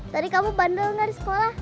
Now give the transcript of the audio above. tadi kamu bandel gak di sekolah